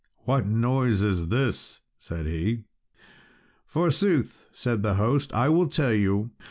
"What noise is this?" said he. "Forsooth," said the host, "I will tell you.